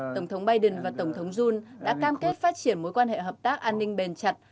tổng thống biden và tổng thống jun đã cam kết phát triển mối quan hệ hợp tác an ninh bền chặt